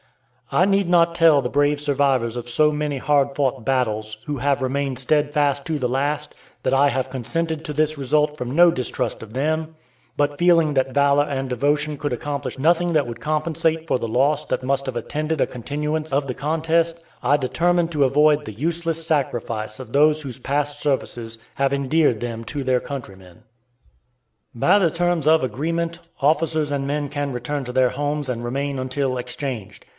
I need not tell the brave survivors of so many hard fought battles, who have remained steadfast to the last, that I have consented to this result from no distrust of them; but feeling that valor and devotion could accomplish nothing that would compensate for the loss that must have attended a continuance of the contest, I determined to avoid the useless sacrifice of those whose past services have endeared them to their countrymen. By the terms of agreement, officers and men can return to their homes and remain until exchanged.